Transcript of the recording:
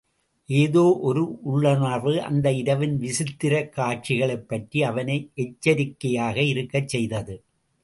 ஏதோ ஒரு உள்ளுணர்வு, அந்த இரவின் விசித்திரக் காட்சிகளைப் பற்றி அவனை எச்சரிக்கையாக இருக்கச் செய்தது.